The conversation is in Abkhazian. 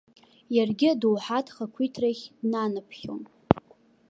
Иаргьы адоуҳатә хақәиҭрахь днанаԥхьон.